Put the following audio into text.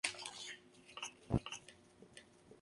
Este período creó una gran presencia española en la nación.